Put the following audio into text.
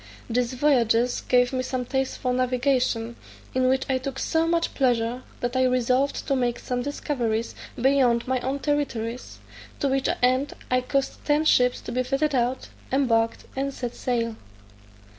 These voyages gave me some taste for navigation, in which I took so much pleasure, that I resolved to make some discoveries beyond my own territories; to which end I caused ten ships to be fitted out, embarked, and set sail.